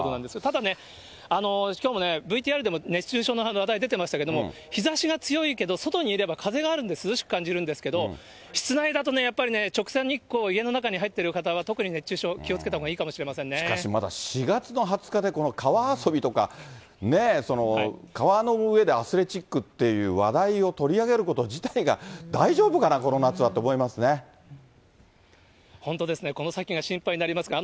ただね、きょうもＶＴＲでも熱中症の話題出てましたけども、日ざしが強いけど、外にいれば風があるんで、涼しく感じるんですけど、室内だとね、やっぱりね、直射日光、家の中に入ってる方は特に熱中症、気をつしかしまだ４月の２０日で、この川遊びとか、ねぇ、川の上でアスレチックっていう話題を取り上げること自体が大丈夫本当ですね、この先が心配になりますが。